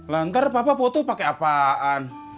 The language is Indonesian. lantar papa foto pake apaan